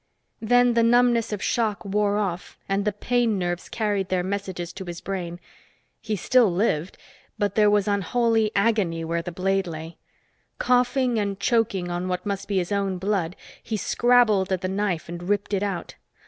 Then the numbness of shock wore off and the pain nerves carried their messages to his brain. He still lived, but there was unholy agony where the blade lay. Coughing and choking on what must be his own blood, he scrabbled at the knife and ripped it out.